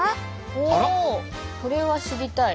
おおそれは知りたい。